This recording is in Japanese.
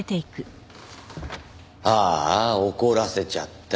あーあ怒らせちゃった。